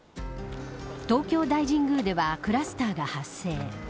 東京大神宮ではクラスターが発生。